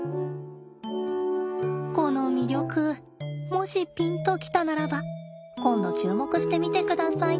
この魅力もしピンと来たならば今度注目してみてください。